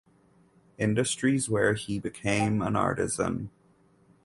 Industries where he became an artisan.